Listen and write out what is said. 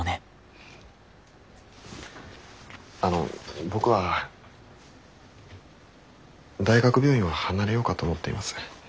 あの僕は大学病院は離れようかと思っています。